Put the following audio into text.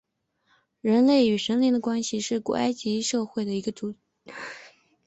人类与神灵的关系是古埃及社会的一个基本组成部分。